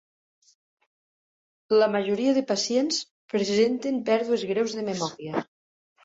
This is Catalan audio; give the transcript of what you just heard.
La majoria de pacients presenten pèrdues greus de memòria.